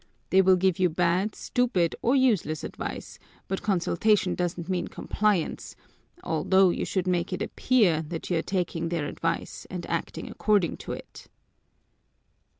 They will give you bad, stupid, or useless advice, but consultation doesn't mean compliance, although you should make it appear that you are taking their advice and acting according to it."